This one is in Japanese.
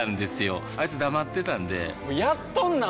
あいつ黙ってたんでやっとんなー！